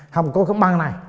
không có khắp băng này